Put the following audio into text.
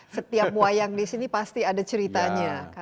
setiap wayang di sini pasti ada ceritanya